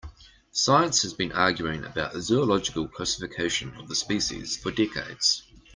Science has been arguing about the zoological classification of the species for decades.